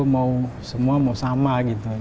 mau semua mau sama gitu